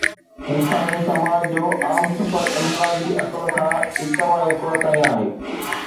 انساني سماج جو عام سفر انفرادي عقل کان اجتماعي عقل تائين آهي.